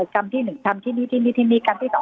กรรมที่๑